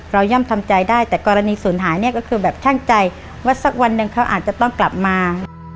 ย่ำทำใจได้แต่กรณีศูนย์หายเนี่ยก็คือแบบช่างใจว่าสักวันหนึ่งเขาอาจจะต้องกลับมา